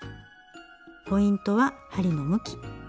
ポイントは針の向き。